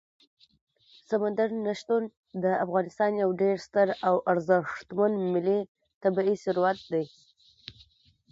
سمندر نه شتون د افغانستان یو ډېر ستر او ارزښتمن ملي طبعي ثروت دی.